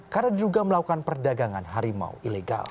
karena juga melakukan perdagangan harimau ilegal